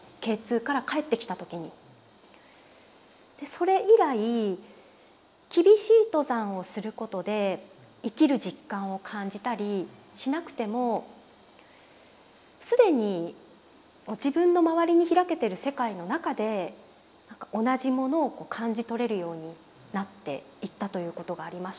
それ以来厳しい登山をすることで生きる実感を感じたりしなくても既に自分の周りに開けてる世界の中で同じものを感じ取れるようになっていったということがありました。